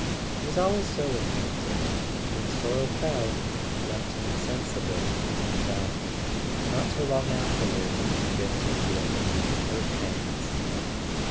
It was always so with Campton: when sorrow fell it left him insensible and dumb. Not till long afterward did he begin to feel its birth pangs.